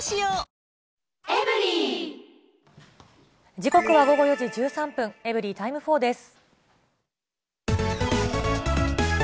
時刻は午後４時１３分、エブリィタイム４です。